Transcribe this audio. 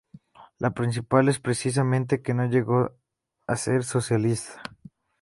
La principal es precisamente que no llegó a ser socialista.